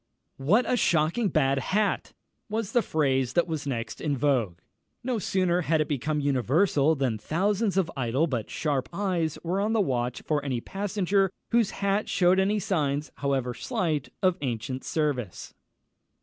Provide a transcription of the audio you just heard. "What a shocking bad hat!" was the phrase that was next in vogue. No sooner had it become universal, than thousands of idle but sharp eyes were on the watch for the passenger whose hat shewed any signs, however slight, of ancient service.